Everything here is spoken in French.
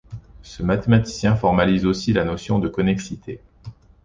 Ce mathématicien formalise aussi la notion de connexité.